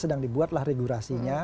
sedang dibuatlah regulasinya